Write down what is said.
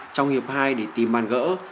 trong hiệp hai để tìm bàn gỡ